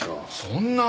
そんな！